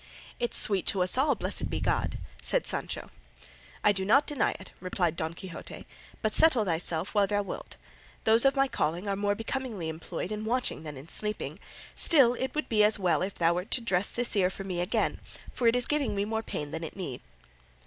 "It's sweet to us all, blessed be God," said Sancho. "I do not deny it," replied Don Quixote; "but settle thyself where thou wilt; those of my calling are more becomingly employed in watching than in sleeping; still it would be as well if thou wert to dress this ear for me again, for it is giving me more pain than it need."